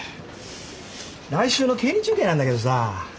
来週の競輪中継なんだけどさ